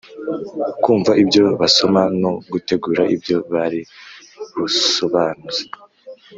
kumva ibyo basoma no gutegura ibyo bari busobanuze